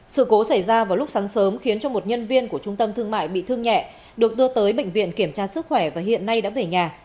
sự cố xảy ra vào lúc sáng sớm khiến cho một nhân viên của trung tâm thương mại bị thương nhẹ được đưa tới bệnh viện kiểm tra sức khỏe và hiện nay đã về nhà